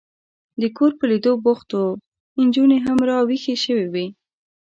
د کور په لیدو بوخت و، نجونې هم را وېښې شوې وې.